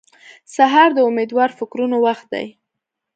سهار د امېدوار فکرونو وخت دی.